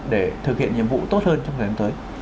để thực hiện nhiệm vụ tốt hơn trong thời gian tới